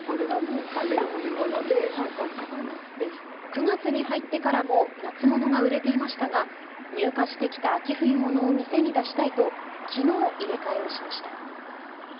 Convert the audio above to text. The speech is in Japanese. ９月に入ってからも夏物が売れていましたが入荷してきた秋冬ものを店に出したいときのう入れ替えをしました。